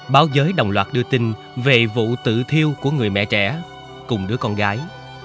báo giới đồng loạt đưa tin về vụ tự thiêu của người mẹ trẻ cùng đứa con gái